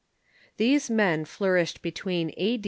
These men flourished between a.